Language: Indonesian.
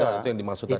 itu yang dimaksud tadi